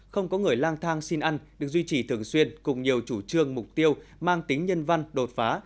không có người lang thang xin ăn được duy trì thường xuyên cùng nhiều chủ trương mục tiêu mang tính nhân văn đột phá